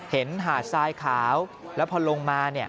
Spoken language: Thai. หาดทรายขาวแล้วพอลงมา